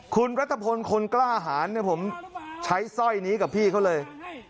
คุณรัฐพลคนกล้าหารเนี่ยผมใช้สร้อยนี้กับพี่เขาเลย